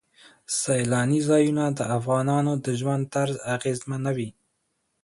سیلاني ځایونه د افغانانو د ژوند طرز اغېزمنوي.